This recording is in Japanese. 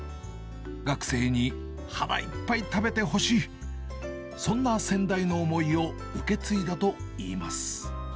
学生に腹いっぱい食べてほしい、そんな先代の思いを受け継いだといいます。